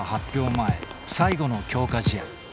前最後の強化試合。